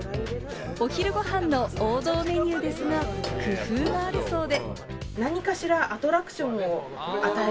お昼ごはんの王道メニューですが、工夫があるそうで。